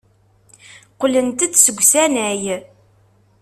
Qqlent-d seg usanay.